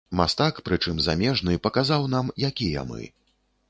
Мастак, прычым замежны, паказаў нам, якія мы.